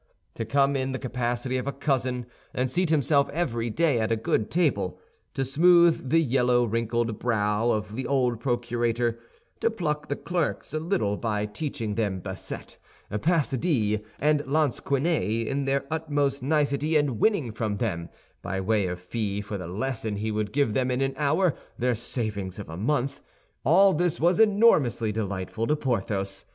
To come in the capacity of a cousin, and seat himself every day at a good table; to smooth the yellow, wrinkled brow of the old procurator; to pluck the clerks a little by teaching them bassette, passe dix, and lansquenet, in their utmost nicety, and winning from them, by way of fee for the lesson he would give them in an hour, their savings of a month—all this was enormously delightful to Porthos.